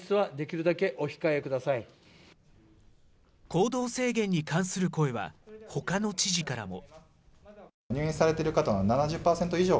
行動制限に関する声は、ほかの知事からも。